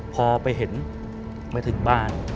พอไปเห็นมาถึงบ้าน